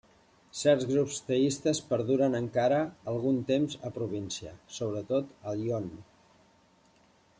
Certs grups teistes perduren encara algun temps a província, sobretot al Yonne.